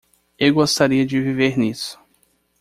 Eu gostaria de viver nisso.